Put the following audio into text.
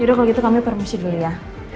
ya udah kalau gitu kami permisi dulu ya